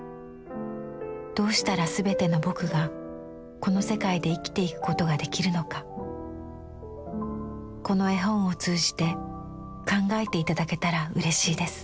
どうしたらすべての『ぼく』がこの世界で生きていくことができるのかこの絵本をつうじて考えていただけたらうれしいです」。